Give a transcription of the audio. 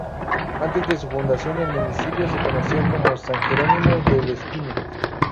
Antes de su fundación el municipio se conocía como San Jerónimo del Espino.